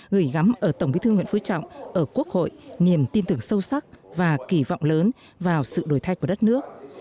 gửi gắm ở tổng bí thư nguyễn phú trọng ở quốc hội niềm tin tưởng sâu sắc và kỳ vọng lớn vào sự đổi thay của đất nước